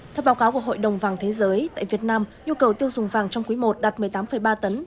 theo báo cáo của hội đồng vàng thế giới tại việt nam nhu cầu tiêu dùng vàng trong quý i đạt một mươi tám ba tấn